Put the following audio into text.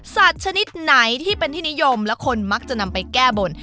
ชนิดไหนที่เป็นที่นิยมและคนมักจะนำไปแก้บน